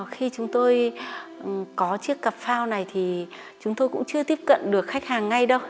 khi chúng tôi có chiếc cặp phao này thì chúng tôi cũng chưa tiếp cận được khách hàng ngay đâu